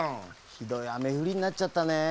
ひどいあめふりになっちゃったねえ。